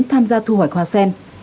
tham gia thu hoạch hoa sen